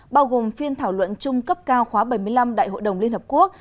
bao gồm phiên thảo luận chung cấp cao khóa bảy mươi năm đại hội đồng liên hợp quốc